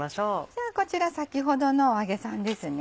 じゃあこちら先ほどのお揚げさんです。